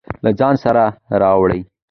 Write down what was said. له ځان سره راوړئ.